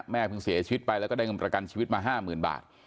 เพิ่งเสียชีวิตไปแล้วก็ได้เงินประกันชีวิตมา๕๐๐๐บาท